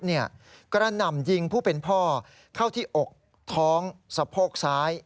กระหน่ำยิงผู้เป็นพ่อเข้าที่อกท้องสะโพกซ้าย